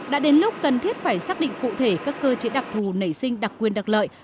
đã đến lúc cần thiết phải xác định cụ thể các cơ chế đặc thù nảy sinh đặc quyền đặc lợi